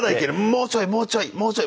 もうちょいもうちょいもうちょい。